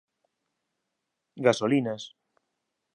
Gasolinas